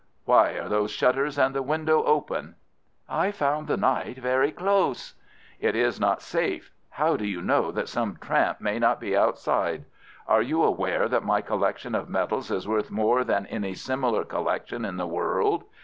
Why are those shutters and the window open?" "I found the night very close." "It is not safe. How do you know that some tramp may not be outside? Are you aware that my collection of medals is worth more than any similar collection in the world?